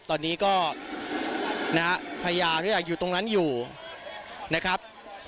ตอนนี้ก็พยายามอยู่ตรงนั้นอยู่นะครับ